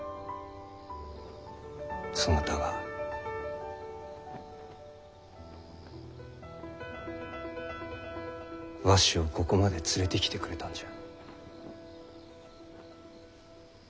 そなたがわしをここまで連れてきてくれたんじゃ。